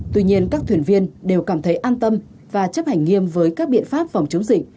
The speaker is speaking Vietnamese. tuy nhiên các thuyền viên đều cảm thấy an tâm và chấp hành nghiêm với các biện pháp phòng chống dịch